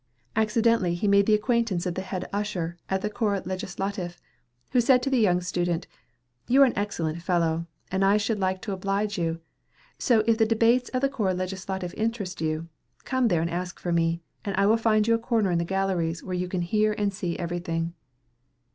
Accidentally he made the acquaintance of the head usher at the Corps Legislatif, who said to the young student, "You are an excellent fellow, and I shall like to oblige you; so if the debates of the Corps Legislatif interest you, come there and ask for me, and I will find you a corner in the galleries where you can hear and see everything."